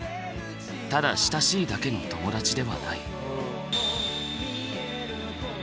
ただ親しいだけの友達ではない。